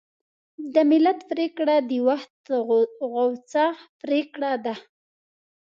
د ملت پرېکړه د وخت غوڅه پرېکړه ده.